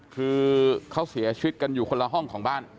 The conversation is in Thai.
คือเขาเสียชีวิตกันอยู่คนละห้องของบ้าน